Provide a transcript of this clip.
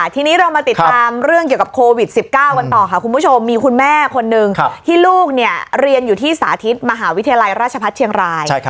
ทีนี้เรามาติดตามเรื่องเกี่ยวกับโควิด๑๙กันต่อค่ะคุณผู้ชมมีคุณแม่คนนึงที่ลูกเรียนอยู่ที่สาธิตมหาวิทยาลัยราชพัฒน์เชียงราย